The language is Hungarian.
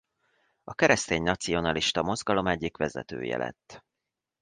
A keresztény nacionalista mozgalom egyik vezetője lett.